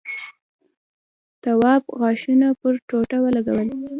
تواب غاښونه پر ټوټه ولگول.